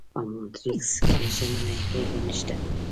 په مونټریکس کې ژمنۍ لوبې نشته.